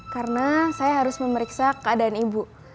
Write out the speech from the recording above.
karena saya harus memeriksa keadaan ibu